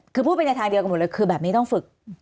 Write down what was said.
คือพูดไปในทางเดียวกันหมดเลยคือแบบนี้ต้องฝึก